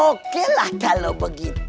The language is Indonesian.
oke lah kalau begitu